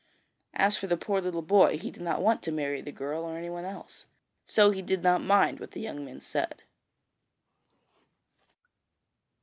As for the poor little boy, he did not want to marry the girl or anyone else, so he did not mind what the young men said.